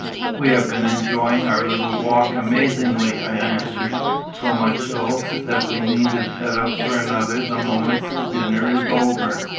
"We have been enjoying our little walk amazingly," I answered. "So much so, that we mean to set out for another the moment dinner is over."